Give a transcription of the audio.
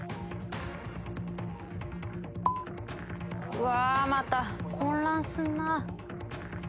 ・うわまた混乱するな。